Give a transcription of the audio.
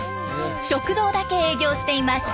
食堂だけ営業しています。